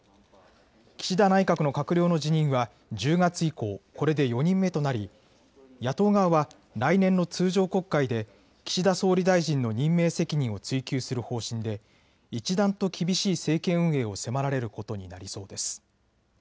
岸田内閣の閣僚の辞任は１０月以降、これで４人目となり野党側は来年の通常国会で岸田総理大臣の任命責任を追及する方針で一段と厳しい政権運営を迫られることになりそうです。